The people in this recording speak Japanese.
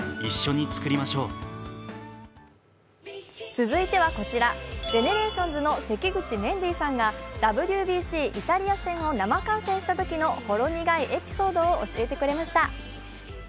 続いてはこちら、ＧＥＮＥＲＡＴＩＯＮＳの関口メンディーさんがＷＢＣイタリア戦を生観戦したときのほろ苦いエピソードを教えてくれました。